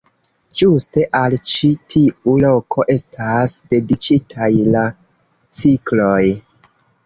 Ĝuste al ĉi tiu loko estas dediĉitaj la cikloj.